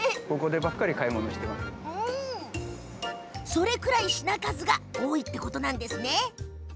それくらい品物が多いってことなんですね